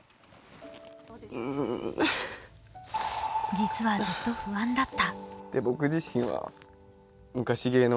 実は、ずっと不安だった。